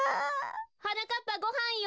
・はなかっぱごはんよ！